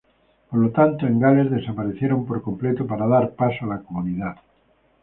Por lo tanto, en Gales desaparecieron por completo para dar paso a la Comunidad.